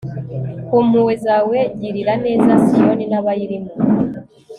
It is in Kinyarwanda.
ku mpuhwe zawe, girira neza siyoni nabayirimo